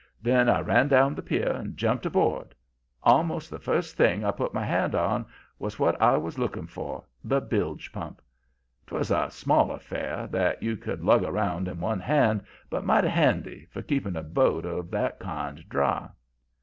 Then I ran down the pier and jumped aboard. Almost the first thing I put my hand on was what I was looking for the bilge pump. 'Twas a small affair, that you could lug around in one hand, but mighty handy for keeping a boat of that kind dry.